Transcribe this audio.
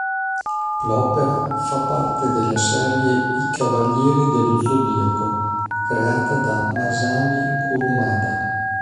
L'opera fa parte della serie "I Cavalieri dello zodiaco" creata da Masami Kurumada.